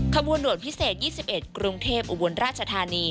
ขบวนหวดพิเศษ๒๑กรุงเทพอุบลราชธานี